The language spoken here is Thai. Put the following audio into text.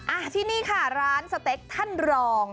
อ่าที่นี่ค่ะร้านสเต็กท่านรอง